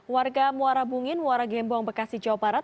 warga muara bungin muara gembong bekasi jawa barat